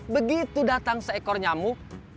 begitu datang seekor nyamuk